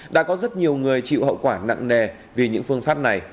đã có rất nhiều người chịu hậu quả nặng nề vì những phương pháp này